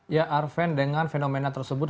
ya arven dengan fenomena tersebut